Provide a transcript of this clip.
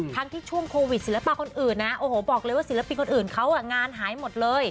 ทั้งที่ช่วงโควิดศิลปะคนอื่นนะโอ้โหบอกเลยว่าศิลปินคนอื่นเขางานหายหมดเลย